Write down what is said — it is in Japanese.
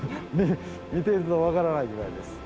見てると分からないぐらいです。